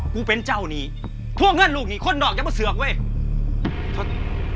กูเป็นเจ้านี่ทวงเงินลูกนี่คนนอกยังมาเสือกเว้ย